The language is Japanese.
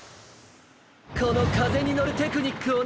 このかぜにのるテクニックをね！